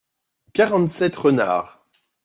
Quarante-sept renards.